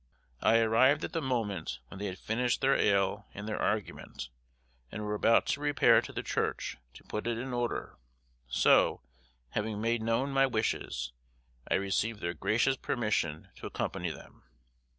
I arrived at the moment when they had finished their ale and their argument, and were about to repair to the church to put it in order; so, having made known my wishes, I received their gracious permission to accompany them.